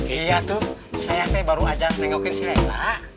iya tuh saya nih baru ajang tengokin si nelela